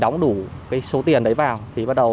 đóng đủ cái số tiền đấy vào thì bắt đầu